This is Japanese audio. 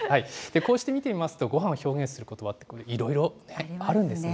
こうして見てみますと、ごはんを表現することばっていろいろね、あるんですね。